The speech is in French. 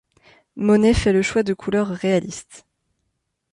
Monet fait le choix de couleurs réalistes.